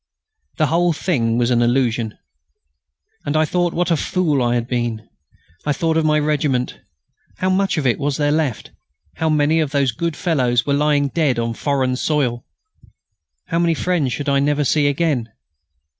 The whole thing was an illusion. And I thought what a fool I had been. I thought of my regiment. How much of it was there left? How many of those good fellows were lying dead on foreign soil? How many friends should I never see again?